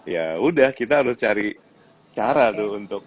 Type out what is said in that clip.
yaudah kita harus cari cara tuh